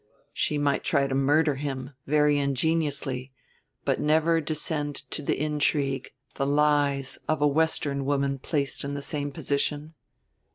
She might try to murder him, very ingeniously, but never descend to the intrigue, the lies, of a Western woman placed in the same position.